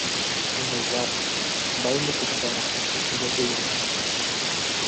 he bailado. bailo que te cagas . ya te he visto .